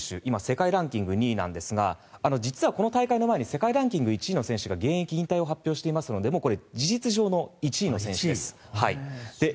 今、世界ランキング２位ですが実はこの大会の前に世界ランキング１位の選手が現役引退を発表していますので事実上の１位の選手です。